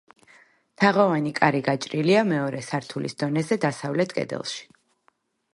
თაღოვანი კარი გაჭრილია მეორე სართულის დონეზე დასავლეთ კედელში.